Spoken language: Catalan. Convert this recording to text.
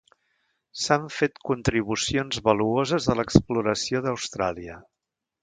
S'han fet contribucions valuoses a l'exploració d'Austràlia.